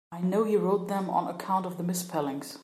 I know he wrote them on account of the misspellings.